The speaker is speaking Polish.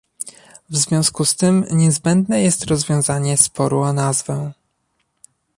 W związku z tym niezbędne jest rozwiązanie sporu o nazwę